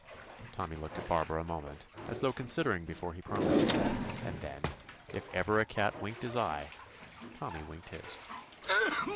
Tommy looked at Barbara a mo ment, as though considering before he promised; and then, if ever a cat winked his eye. Tommy winked his.